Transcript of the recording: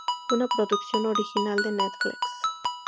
Una producción original de netflix.